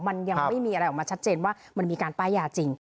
มันยังไม่มีอะไรออกมาชัดเจนว่ามันมีการป้ายยาจริง